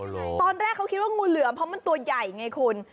ตอนแรกเขาคิดว่างูเหลือมเพราะมันตัวใหญ่ไงคุณ